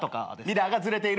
ミラーがずれている。